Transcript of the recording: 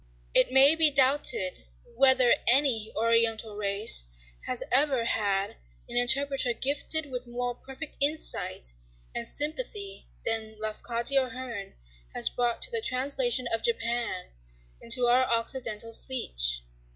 It may be doubted whether any oriental race has ever had an interpreter gifted with more perfect insight and sympathy than Lafcadio Hearn has brought to the translation of Japan into our occidental speech.